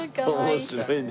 面白いね。